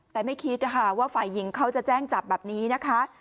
แต่ไม่คิดนะคะว่าฝ่ายหญิงเขาจะแจ้งจับแบบนี้นะคะ